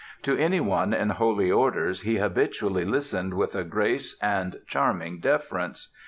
To any one in Holy Orders he habitually listened with a grace and charming deference.